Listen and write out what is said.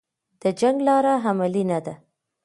د جنګ لاره عملي نه ده